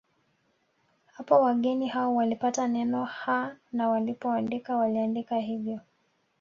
Hapo wageni hao walipata neno Ha na walipoandika waliaandika hivyo